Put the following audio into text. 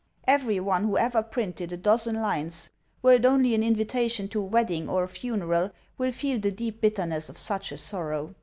15 every one who ever printed a dozen lines, were it only an invitation to a wedding or a funeral, will feel the deep bit terness of such a sorrow